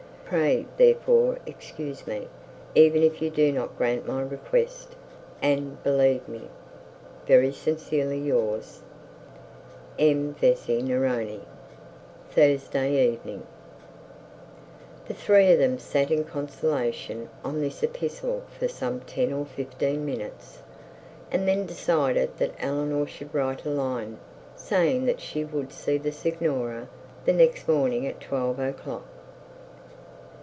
Pray therefore excuse me, even if you do not grant my request, and believe me, 'Very sincerely yours, M.VESEY NERONI The three of them sat in consultation on this epistle for some ten or fifteen minutes, and then decided that Eleanor should write a line saying that she would see the signora the next morning, at twelve o'clock.